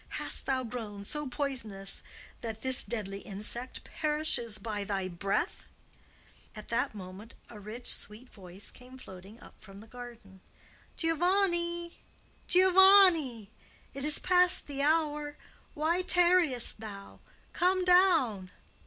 "Hast thou grown so poisonous that this deadly insect perishes by thy breath?" At that moment a rich, sweet voice came floating up from the garden. "Giovanni! Giovanni! It is past the hour! Why tarriest thou? Come down!"